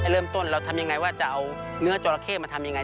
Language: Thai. เริ่มต้นเราทำยังไงว่าจะเอาเนื้อจอราเข้มาทำยังไง